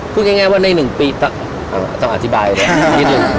พูดง่ายว่าใน๑ปีต้องอธิบายนิดนึง